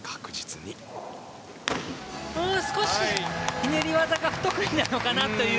少し、ひねり技が不得意なのかなという。